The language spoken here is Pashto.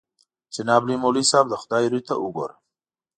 جناب لوی ملا صاحب د خدای روی ته وګوره.